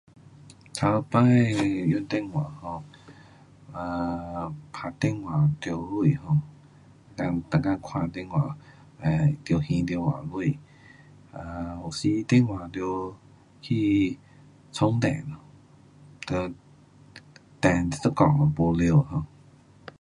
头次用电话 um 啊，打电话得钱 [um]dan 每次打电话得还多少钱，有时电话得去冲电咯，就电一下没了 um。